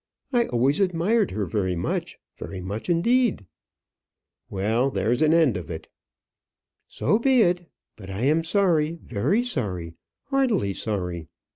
I always admired her very much; very much indeed." "Well, there's an end of it." "So be it. But I am sorry, very sorry; heartily sorry.